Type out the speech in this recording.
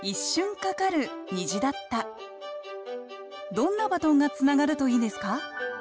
どんなバトンがつながるといいですか？